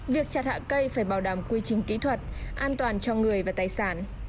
việc chặt hạ cây phải bảo đảm quy trình kỹ thuật an toàn cho người và tài sản